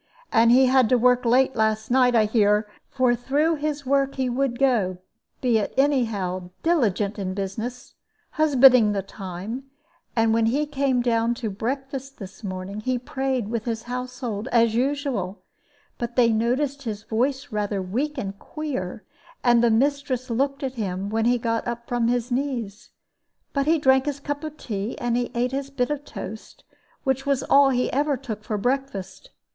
And he had to work late last night, I hear; for through his work he would go, be it anyhow diligent in business, husbanding the time and when he came down to breakfast this morning, he prayed with his household as usual, but they noticed his voice rather weak and queer; and the mistress looked at him when he got up from his knees; but he drank his cup of tea and he ate his bit of toast, which was all he ever took for breakfast.